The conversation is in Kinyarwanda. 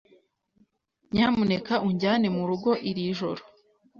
Nyamuneka unjyane murugo iri joro.